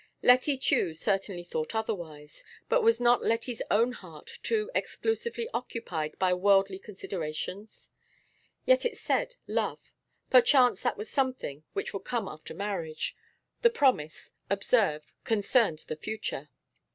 Letty Tew certainly thought otherwise, but was not Letty's own heart too exclusively occupied by worldly considerations? Yet it said 'love.' Perchance that was something which would come after marriage; the promise, observe, concerned the future.